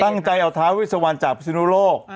ตั้งใจเอาทางบิทยาวิทยาวาณจากพริษุโนโลก